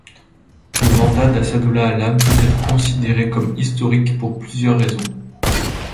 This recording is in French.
Le mandat d'Asadollah Alam peut être considérée comme historique pour plusieurs raisons.